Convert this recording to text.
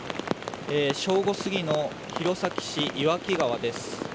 正午過ぎの弘前市岩木川です。